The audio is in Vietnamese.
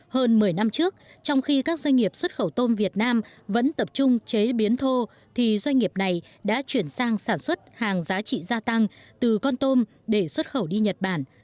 hơn một mươi năm trước trong khi các doanh nghiệp xuất khẩu tôm việt nam vẫn tập trung chế biến thô thì doanh nghiệp này đã chuyển sang sản xuất hàng giá trị gia tăng từ con tôm để xuất khẩu đi nhật bản